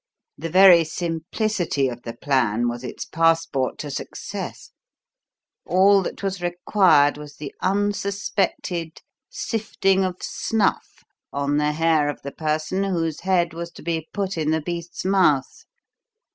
The very simplicity of the plan was its passport to success. All that was required was the unsuspected sifting of snuff on the hair of the person whose head was to be put in the beast's mouth.